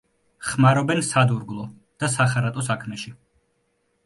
ხმარობენ სადურგლო და სახარატო საქმეში.